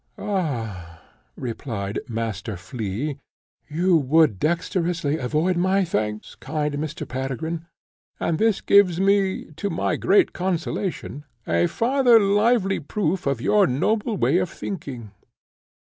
"Ah," replied Master Flea, "you would dexterously avoid my thanks, kind Mr. Peregrine; and this gives me, to my great consolation, a farther lively proof of your noble way of thinking.